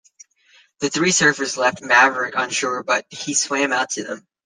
The three surfers left Maverick on shore, but he swam out to them.